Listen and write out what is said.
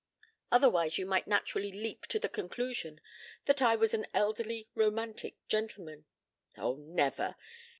Otherwise, you might naturally leap to the conclusion that I was an elderly romantic gentleman " "Oh, never!